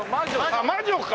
あっ魔女か！